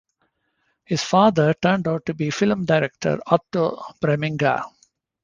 His father turned out to be film director Otto Preminger.